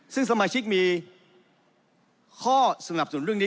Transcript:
ซึ่งสมาชิกมีข้อสนับสนุนเรื่องนี้